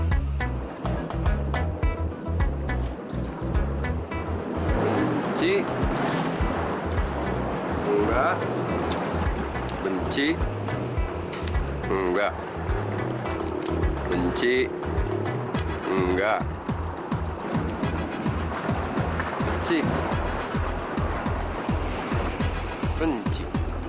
benci enggak benci enggak benci enggak benci benci